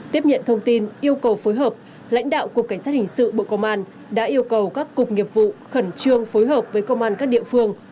tiếp nhận thông tin yêu cầu phối hợp lãnh đạo cục cảnh sát hình sự bộ công an đã yêu cầu các cục nghiệp vụ khẩn trương phối hợp với công an các địa phương